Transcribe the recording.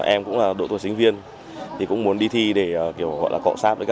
em cũng là độ tuổi sinh viên thì cũng muốn đi thi để kiểu gọi là cọ sáp